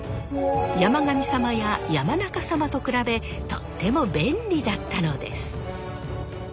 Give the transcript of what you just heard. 山上サマや山中サマと比べとっても便利だったのです。